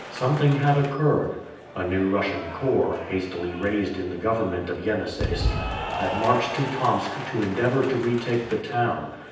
Something had occurred. A new Russian corps, hastily raised in the government of Yeniseisk, had marched to Tomsk to endeavor to retake the town.